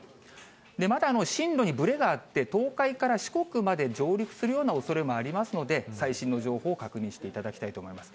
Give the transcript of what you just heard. まだ進路にぶれがあって、東海から四国まで上陸するようなおそれもありますので、最新の情報を確認していただきたいと思います。